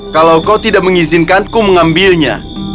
kalau kau tidak mengizinkanku mengambilnya